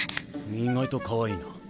意外とかわいいな。